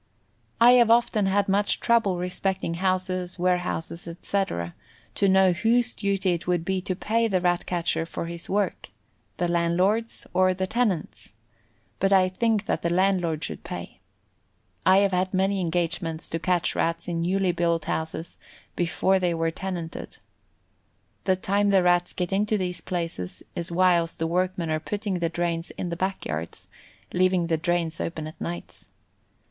I have often had much trouble respecting houses, warehouses, etc., to know whose duty it would be to pay the Rat catcher for his work, the landlord's or the tenant's, but I think that the landlord should pay. I have had many engagements to catch Rats in newly built houses before they were tenanted. The time the Rats get into these places is whilst the workmen are putting the drains in the back yards, leaving the drains open at nights.